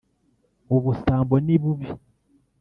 Ubusambo ni bubi.